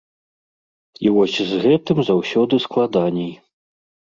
І вось з гэтым заўсёды складаней.